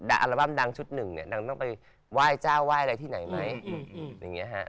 อัลบั้มดังชุดหนึ่งต้องไปไหว้เจ้าไหว้อะไรที่ไหนไหม